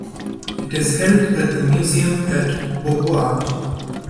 It is held at the museum at Beauvoir.